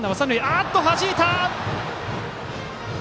あっと、はじいた！